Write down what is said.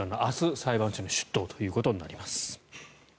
裁判所に出頭ということになります。